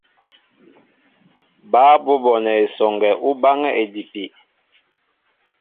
Bǎ bi ú bonɛ esɔŋgɛ ú báŋɛ́ idipi.